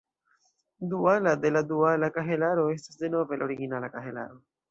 Duala de la duala kahelaro estas denove la originala kahelaro.